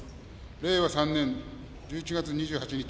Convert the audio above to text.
令和３年１１月２８日